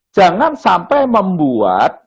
jangan sampai membuat